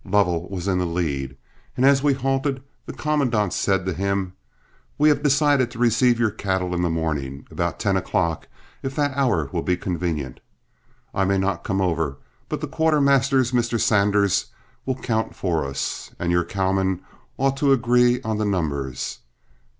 Lovell was in the lead, and as we halted the commandant said to him: "We have decided to receive your cattle in the morning about ten o'clock if that hour will be convenient. I may not come over, but the quartermaster's Mr. Sanders will count for us, and you cowmen ought to agree on the numbers.